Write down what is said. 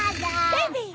ベイビー！